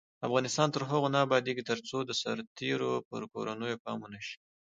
افغانستان تر هغو نه ابادیږي، ترڅو د سرتیرو پر کورنیو پام ونشي.